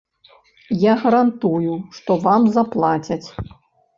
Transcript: Я гарантую, што вам заплацяць.